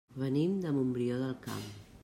Venim de Montbrió del Camp.